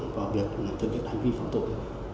vào việc thực hiện hành vi phóng tội